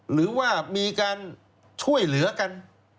หรือว่ามีการช่วยเหลือกัน